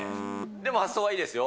でも発想はいいですよ。